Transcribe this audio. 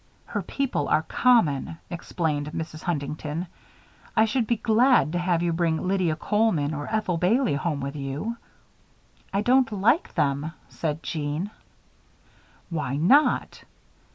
"Her people are common," explained Mrs. Huntington. "I should be glad to have you bring Lydia Coleman or Ethel Bailey home with you." "I don't like them," said Jeanne. "Why not?"